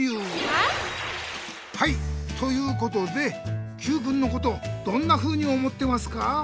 ということでＱくんのことどんなふうに思ってますか？